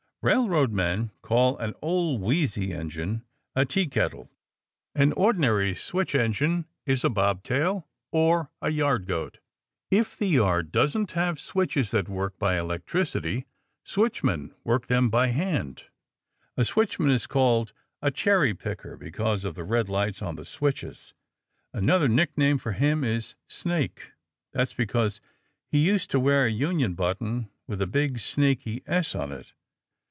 Railroad men call an old wheezy engine a teakettle. An ordinary switch engine is a bobtail or a yard goat. If the yard doesn't have switches that work by electricity, switchmen work them by hand. A switchman is sometimes called a cherry picker, because of the red lights on the switches. Another nickname for him is snake. That's because he used to wear a union button with a big snaky S on it.